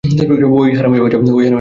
ওরে হারামির বাচ্চা, তুই জানিস না।